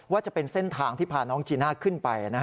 จะเป็นเส้นทางที่พาน้องจีน่าขึ้นไป